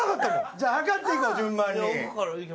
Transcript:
じゃあ測っていこう順番に。